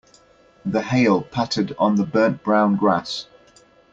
The hail pattered on the burnt brown grass.